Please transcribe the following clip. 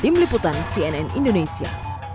meliputan cnn indonesia